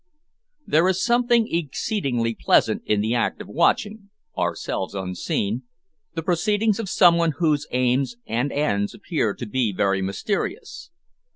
There is something exceedingly pleasant in the act of watching ourselves unseen the proceedings of some one whose aims and ends appear to be very mysterious.